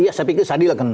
iya saya pikir sadir akan